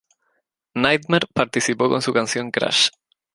Nightmare participó con su canción Crash!